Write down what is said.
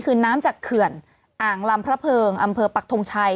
คือน้ำจากเขื่อนอ่างลำพระเพิงอำเภอปักทงชัย